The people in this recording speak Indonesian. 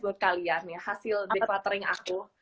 buat kalian ya hasil decluttering aku